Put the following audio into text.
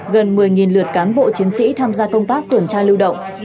gần một mươi lượt cán bộ chiến sĩ tham gia công tác tuần tra lưu động